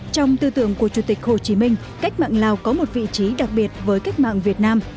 trong tư tưởng của chủ tịch hồ chí minh cách mạng lào có một vị trí đặc biệt với cách mạng việt nam